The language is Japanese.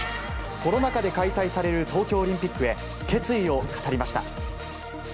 コロナ禍で開催される東京オリンピックへ、決意を語りました。